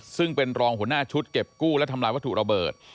ซึ่งเป็นรองหัวหน้าชุดเก็บกู้และทำลายวัตถุระเบิด